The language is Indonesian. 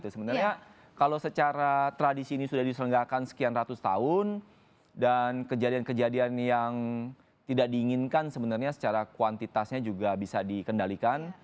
sebenarnya kalau secara tradisi ini sudah diselenggakan sekian ratus tahun dan kejadian kejadian yang tidak diinginkan sebenarnya secara kuantitasnya juga bisa dikendalikan